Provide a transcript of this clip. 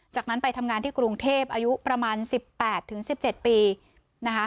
จากนั้นไปทำงานที่กรุงเทพอายุประมาณสิบแปดถึงสิบเจ็ดปีนะคะ